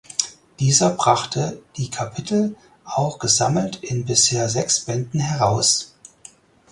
Dieser brachte die Kapitel auch gesammelt in bisher sechs Bänden heraus.